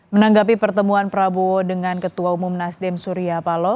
menanggapi pertemuan prabowo dengan ketua umum nasdem surya paloh